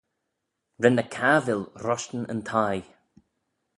Ren ny cabbil roshtyn yn thie.